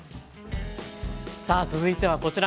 さあ続いてはこちら。